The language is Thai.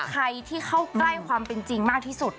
ใครที่เข้าใกล้ความเป็นจริงมากที่สุด